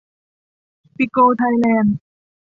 ปิโก ไทยแลนด์